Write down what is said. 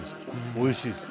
おいしいです。